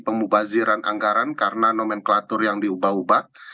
pemubaziran anggaran karena nomenklatur yang diubah ubah